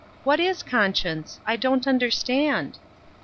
What is conscience? I don't understand."